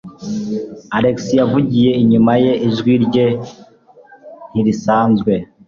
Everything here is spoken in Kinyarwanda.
Alex yavugiye inyuma ye, ijwi rye ntirisanzwe.